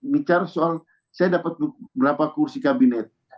bicara soal saya dapat berapa kursi kabinet